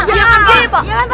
iya kan pak